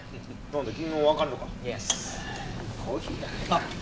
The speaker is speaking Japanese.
あっ。